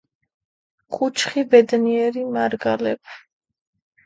კუჩხი ბედნიერი მარგალეფ